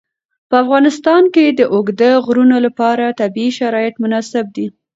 په افغانستان کې د اوږده غرونه لپاره طبیعي شرایط مناسب دي.